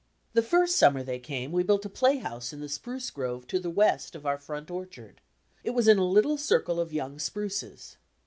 The first summer they came we built a playhouse in the spruce grove to the west of our front orchard. It was in a little circle of young spruces.